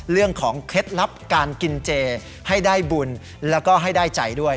เคล็ดลับการกินเจให้ได้บุญแล้วก็ให้ได้ใจด้วย